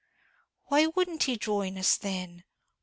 "Why wouldn't he join us then?